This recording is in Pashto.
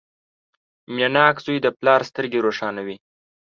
• مینهناک زوی د پلار سترګې روښانوي.